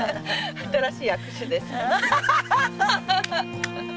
新しい握手ですね。